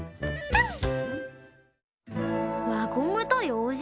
輪ゴムとようじ？